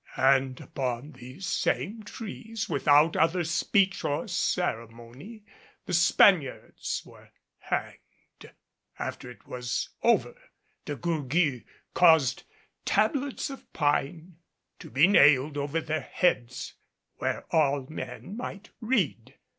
And upon these same trees without other speech or ceremony, the Spaniards were hanged. After it was over, De Gourgues caused tablets of pine to be nailed over their heads where all men might read.